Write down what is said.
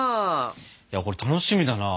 いやこれ楽しみだなあ。